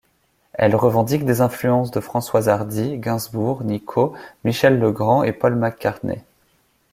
Elle revendique les influences de Françoise Hardy, Gainsbourg, Nico, Michel Legrand et Paul McCartney.